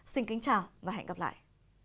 xin kính chào và hẹn gặp lại